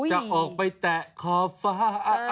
จะออกไปแตะขอบฟ้า